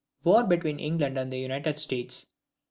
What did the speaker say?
War between England and the United States.